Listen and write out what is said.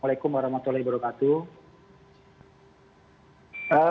waalaikumsalam warahmatullahi wabarakatuh